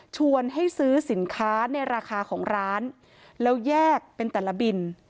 ให้ซื้อสินค้าในราคาของร้านแล้วแยกเป็นแต่ละบิน